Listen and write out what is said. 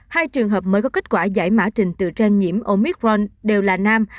hai trường hợp mới có kết quả giải mã trình từ trên nhiễm omicron đều là nam